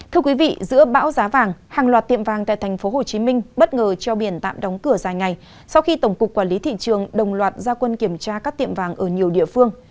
thưa quý vị giữa bão giá vàng hàng loạt tiệm vàng tại tp hcm bất ngờ treo biển tạm đóng cửa dài ngày sau khi tổng cục quản lý thị trường đồng loạt gia quân kiểm tra các tiệm vàng ở nhiều địa phương